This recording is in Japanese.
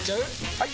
・はい！